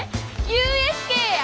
ＵＳＫや！